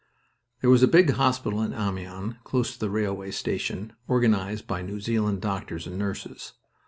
XV There was a big hospital in Amiens, close to the railway station, organized by New Zealand doctors and nurses.